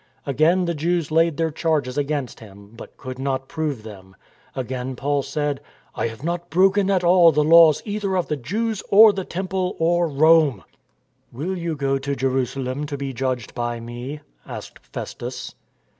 Again the Jews laid their charges against him, but could not prove them. Again Paul said :" I have not broken at all the laws either of the Jews or the Temple or Rome." *' Will you go to Jerusalem to be judged by me? " asked Festus.